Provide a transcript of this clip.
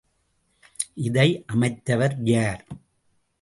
இதை அமைத்தவர் யார்?